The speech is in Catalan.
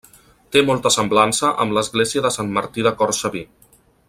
Té molta semblança amb l'església de Sant Martí de Cortsaví.